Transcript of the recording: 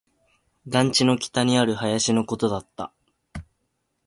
団地の北にある林のことだった